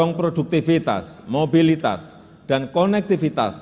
untuk mendorong produktivitas mobilitas dan konektivitas